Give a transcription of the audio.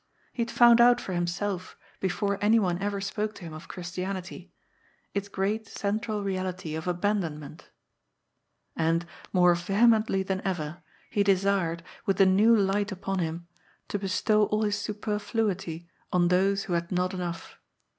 He had found out for himself, before anyone ever spoke to him of Ohristianity, its great central reality of abandonment 390 GOD'S FOOL. And, more vehemently than ever, he desired, with the new light upon him, to bestow all his superfluity on those who had not enough.